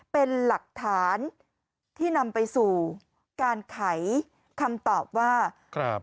เป็นหลักฐานที่นำไปสู่การไขคำตอบว่าครับ